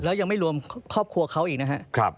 แล้วยังไม่รวมครอบครัวเขาอีกนะครับ